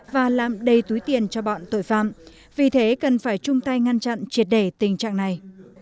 và làm đầy túi tiền cho bọn tội phạm vì thế cần phải chung tay ngăn chặn triệt để tình trạng này